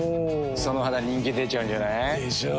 その肌人気出ちゃうんじゃない？でしょう。